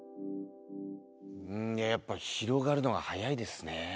やっぱ広がるのが速いですね。